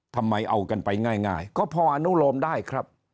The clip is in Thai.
ทำไมเอากันไปง่ายก็พออนุโลมได้ครับ